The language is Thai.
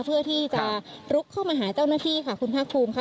เพื่อที่จะลุกเข้ามาหาเจ้าหน้าที่ค่ะคุณภาคภูมิค่ะ